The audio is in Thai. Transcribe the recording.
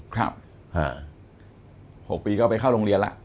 ๖ปีก็ไปเข้าโรงเรียนแล้ว